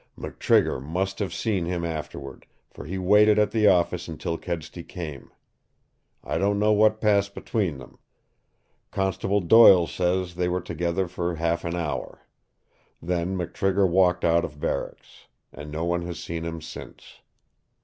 McTrigger must have seen him afterward, for he waited at the office until Kedsty came. I don't know what passed between them. Constable Doyle says they were together for half an hour. Then McTrigger walked out of barracks, and no one has seen him since.